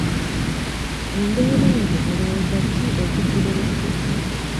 Embeera eno olowooza ki ekigireese?